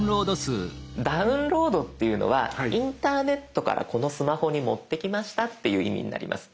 ダウンロードっていうのはインターネットからこのスマホに持ってきましたっていう意味になります。